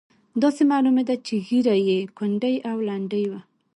داسې معلومېده چې ږیره یې کونډۍ او لنډۍ وه.